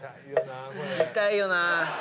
痛いよな。